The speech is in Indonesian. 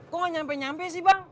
kok gak nyampe nyampe sih bang